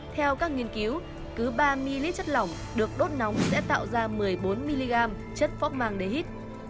theo các nghiên cứu cứ ba ml chất lỏng được đốt nóng sẽ tạo ra một mươi bốn mg chất phóc màng để hít